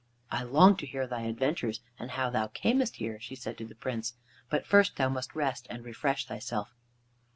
"I long to hear thy adventures and how thou camest here," she said to the Prince, "but first thou must rest and refresh thyself."